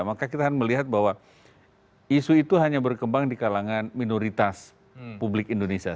maka kita akan melihat bahwa isu itu hanya berkembang di kalangan minoritas publik indonesia